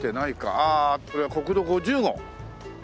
ああこれは国道５０号。